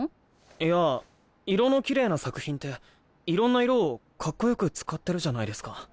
いや色のきれいな作品っていろんな色をかっこよく使ってるじゃないですか。